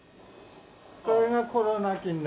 これがコロナ菌ね。